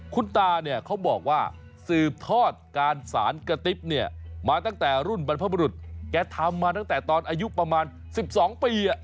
คุณตาเนี่ยเขาบอกว่าสืบทอดการสารกระติ๊บเนี่ยมาตั้งแต่รุ่นบรรพบรุษแกทำมาตั้งแต่ตอนอายุประมาณ๑๒ปี